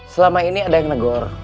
selama ini ada yang negor